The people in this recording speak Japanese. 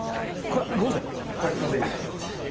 ロゼになりますね。